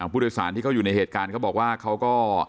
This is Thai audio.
ผู้โดยสารที่เขาอยู่ในเหตุการณ์เขาบอกว่าเขาก็